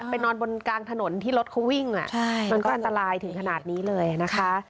นอนบนกลางถนนที่รถเขาวิ่งมันก็อันตรายถึงขนาดนี้เลยนะคะ